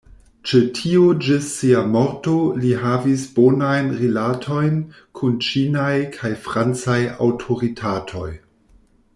Ĉe tio ĝis sia morto li havis bonajn rilatojn kun ĉinaj kaj francaj aŭtoritatoj.